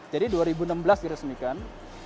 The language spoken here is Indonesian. jadi dua ribu enam belas diresmikan